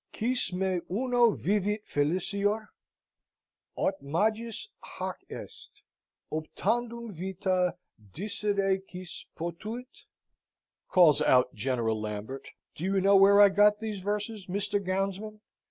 "Quis me uno vivit felicior? aut magis hac est Optandum vita dicere quis potuit?" calls out General Lambert. "Do you know where I got these verses, Mr. Gownsman?"